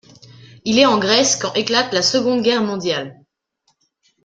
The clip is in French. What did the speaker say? Il est en Grèce quand éclate la Seconde Guerre mondiale.